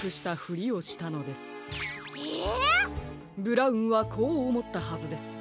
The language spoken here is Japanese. ブラウンはこうおもったはずです。